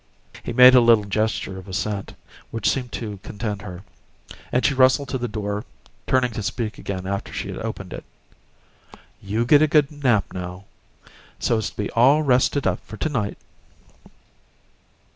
He made a little gesture of assent, which seemed to content her; and she rustled to the door, turning to speak again after she had opened it. "You get a good nap, now, so as to be all rested up for to night."